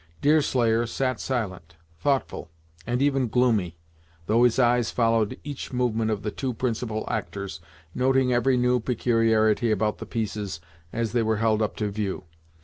Deerslayer sat silent, thoughtful, and even gloomy, though his eyes followed each movement of the two principal actors, noting every new peculiarity about the pieces as they were held up to view.